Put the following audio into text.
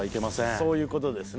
そういう事ですね。